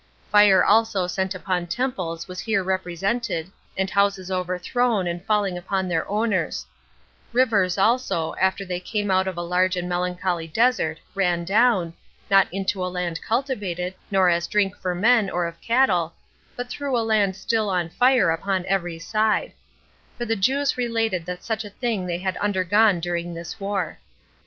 Fire also sent upon temples was here represented, and houses overthrown, and falling upon their owners: rivers also, after they came out of a large and melancholy desert, ran down, not into a land cultivated, nor as drink for men, or for cattle, but through a land still on fire upon every side; for the Jews related that such a thing they had undergone during this war.